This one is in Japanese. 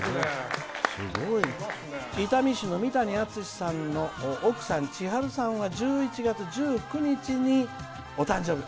伊丹市みたにあつしさんの奥さんちはるさんは１１月１９日にお誕生日。